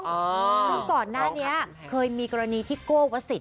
ซึ่งก่อนหน้านี้เคยมีกรณีที่โก้วสิท